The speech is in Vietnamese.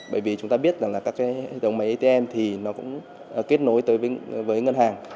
bởi vì chúng ta biết là các hệ thống máy atm thì nó cũng kết nối tới với ngân hàng